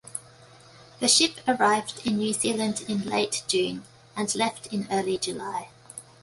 The ship arrived in New Zealand in late June and left in early July.